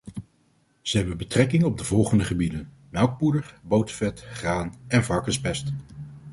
Ze hebben betrekking op de volgende gebieden: melkpoeder, botervet, graan en varkenspest.